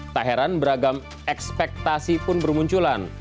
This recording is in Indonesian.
tak heran beragam ekspektasi pun bermunculan